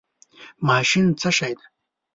ماشین څه شی دی؟